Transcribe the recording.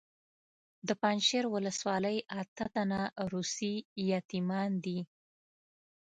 د پنجشیر ولسوالۍ اته تنه روسي یتیمان دي.